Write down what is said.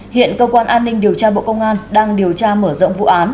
hiện cơ quan an ninh điều tra bộ công an đang điều tra mở rộng vụ án